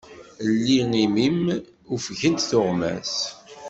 Lli imi-m, ufgent tuɣmas.